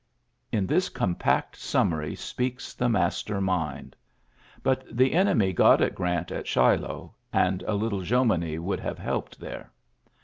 In this compact summary speaks the master mind. But the enemy got at Grant at Shiloh, and a little Jomini would have helped there.